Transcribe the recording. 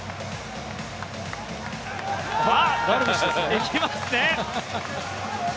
行きますね？